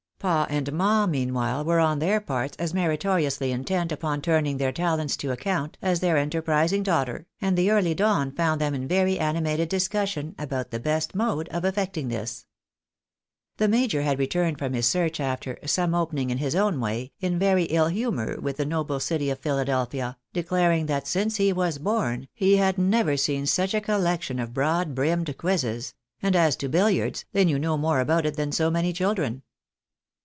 " Pa and Ma," meanwhile, were on their parts as meritoriously intent upon turning their talents to account as their enterprising daughter, and the early dawn found them in very animated dis cussion upon the best mode of efi^ecting this. The major had returned from his search after " some opening in his own way," in very iU humour with the noble city of Phila delphia, declaring that, since he was born, he had never seen such THE jyiAjOK AMD ms JuADY DIFFER IN OPINION. 235 a collection of broad brimmed quizzes ; and as to billiards, they knew no more about it than so many children.